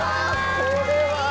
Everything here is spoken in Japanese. これは。